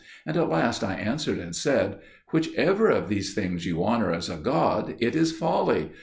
And at last I answered and said, "Whichever of these things you honour as a god, it is folly.